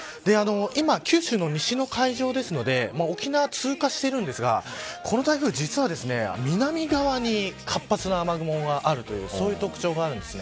今、九州の西の海上ですので沖縄、通過しているんですがこの台風、実は南側に活発な雨雲があるというそういう特徴があるんです。